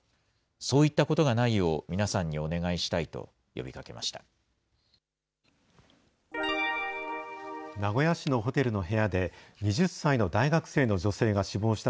そういったことがないよう、皆さんにお願いしたいと呼びかけました。